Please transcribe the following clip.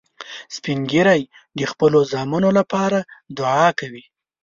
سپین ږیری د خپلو زامنو لپاره دعا کوي